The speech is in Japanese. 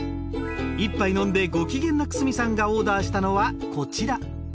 一杯飲んでご機嫌の久住さんがオーダーしたのはこちら。